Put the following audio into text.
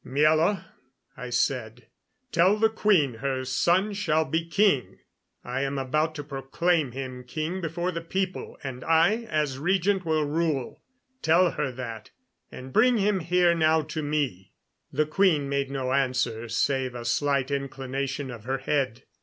"Miela," I said, "tell the queen her son shall be king. I am about to proclaim him king before the people, and I, as regent, will rule. Tell her that, and bring him here now to me." The queen made no answer, save a slight inclination of her head.